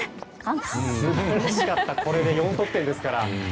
これで４得点ですから。